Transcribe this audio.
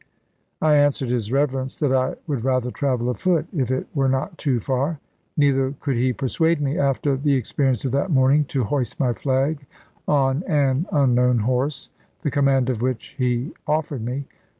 I answered his Reverence that I would rather travel afoot, if it were not too far; neither could he persuade me, after the experience of that morning, to hoist my flag on an unknown horse, the command of which he offered me.